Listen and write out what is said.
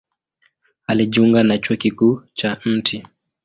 Alijiunga na Chuo Kikuu cha Mt.